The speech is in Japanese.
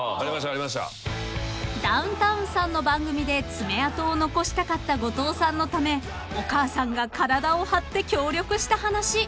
［ダウンタウンさんの番組で爪痕を残したかった後藤さんのためお母さんが体を張って協力した話］